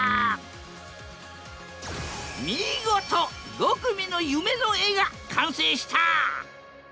見事５組の夢の絵が完成した！